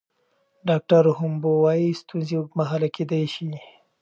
ډاکټره هومبو وايي ستونزې اوږدمهاله کیدی شي.